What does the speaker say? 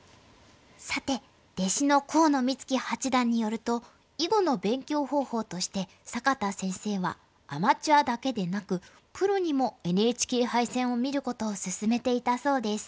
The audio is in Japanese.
さて弟子の河野光樹八段によると囲碁の勉強方法として坂田先生はアマチュアだけでなくプロにもＮＨＫ杯戦を見ることをすすめていたそうです。